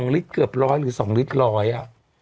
ลิตรเกือบร้อยหรือ๒ลิตรร้อยอ่ะ